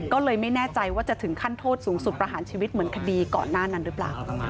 ก็เลยไม่แน่ใจว่าจะถึงขั้นโทษสูงสุดประหารชีวิตเหมือนคดีก่อนหน้านั้นหรือเปล่า